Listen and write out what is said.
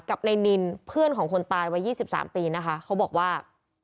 กับในนินเพื่อนของคนตายวัย๒๓ปีนะคะเขาบอกว่า